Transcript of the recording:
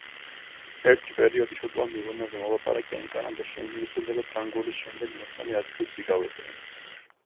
ერთი პერიოდი შოტლანდიურ ენაზე მოლაპარაკენი კანადაში ინგლისურისა და ფრანგულის შემდეგ მესამე ადგილს იკავებდნენ.